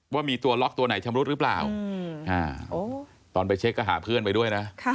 ว่ามีตัวล็อกตัวไหนชำรุดหรือเปล่าตอนไปเช็คก็หาเพื่อนไปด้วยนะ